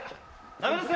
ダメですよ！